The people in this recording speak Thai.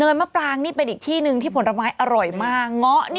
อยากให้ได้เป็น